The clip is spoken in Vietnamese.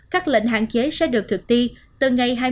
các lệnh hạn chế sẽ được thực ti từ ngày hai mươi bốn tháng một